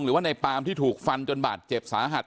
หรือว่าในปามที่ถูกฟันจนบาดเจ็บสาหัส